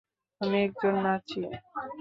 আমি একজন নাচিয়ে।